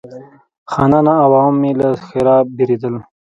خانان او عوام یې له ښرا بېرېدل.